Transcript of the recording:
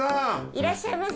いらっしゃいませ。